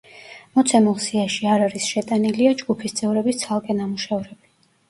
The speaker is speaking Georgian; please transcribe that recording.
მოცემულ სიაში არ არის შეტანილია ჯგუფის წევრების ცალკე ნამუშევრები.